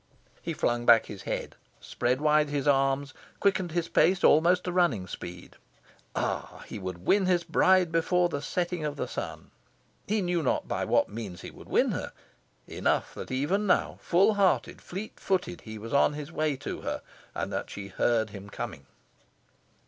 He flung back his head, spread wide his arms, quickened his pace almost to running speed. Ah, he would win his bride before the setting of the sun. He knew not by what means he would win her. Enough that even now, full hearted, fleet footed, he was on his way to her, and that she heard him coming.